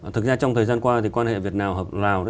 thực ra trong thời gian qua thì quan hệ việt lào